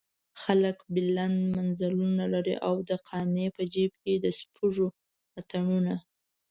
خلک بلند منزلونه لري او د قانع په جيب کې د سپږو اتڼونه.